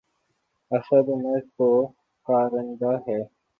اسد عمر تو کارندہ ہے۔